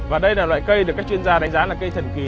và đây là loại cây được các chuyên gia đánh giá là cây thần kỳ